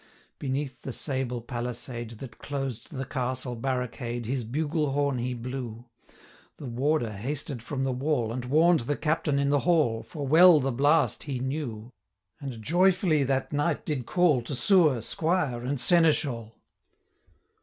Beneath the sable palisade, 35 That closed the Castle barricade, His buglehorn he blew; The warder hasted from the wall, And warn'd the Captain in the hall, For well the blast he knew; 40 And joyfully that knight did call, To sewer, squire, and seneschal.